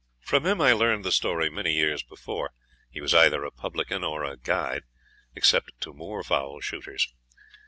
From him I learned the story many years before he was either a publican, or a guide, except to moorfowl shooters.